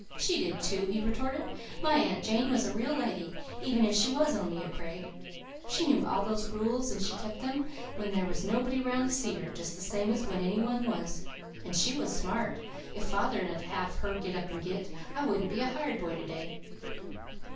"She did, too," he retorted. "My Aunt Jane was a real lady, even if she was only a Craig. She knew all those rules and she kept them when there was nobody round to see her, just the same as when any one was. And she was smart. If father had had half her git up and git I wouldn't be a hired boy to day."